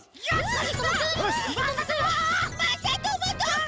まさともどこ！？